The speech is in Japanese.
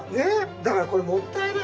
だからこれもったいない。